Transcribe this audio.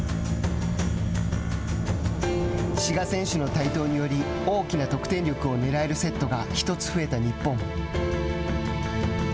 志賀選手の台頭により大きな得点力をねらえるセットが１つ増えた日本。